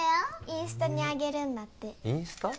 インスタにあげるんだってインスタ？